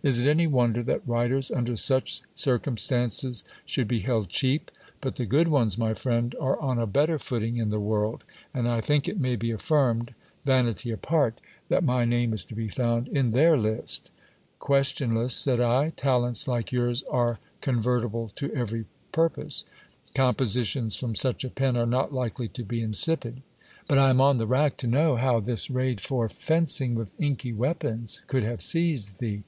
Is it any wonder that writers under such circumstances should be held cheap ? But the good ones, my friend, are on a better footing in the world ; and I think it may be affirmed, vanity apart, that my name is to be found in their list Questionless, said I, talents like yours are convertible to every purpose ; compositions from such a pen are not likely to be insipid. But I am on the rack to know how this rage for fencing with inky weapons could have seized thee.